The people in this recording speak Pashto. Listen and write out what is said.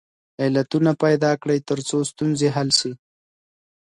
علتونه پیدا کړئ ترڅو ستونزې حل سي.